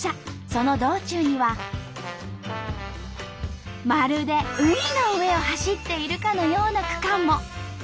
その道中にはまるで海の上を走っているかのような区間も。